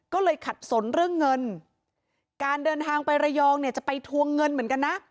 ก็เลยขัดสนเรื่องเงินการเดินทางไประยองเนี่ยจะไปทวงเงินเหมือนกันนะ